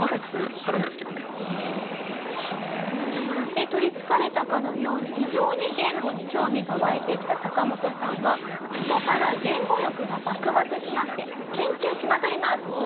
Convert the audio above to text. で取りつかれたかのように異常に言語に興味が湧いてきたサカモトさんはここから言語欲が爆発しまして研究しまくります。